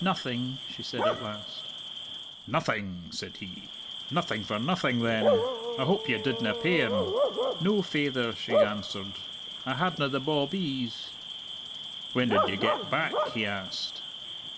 "Nothing!" she said at last. "Nothing!" said he. "Nothing for nothing, then. I hope you didna pay him?" "No, faither," she answered. "I hadna the bawbees." "When did ye get back?" he asked.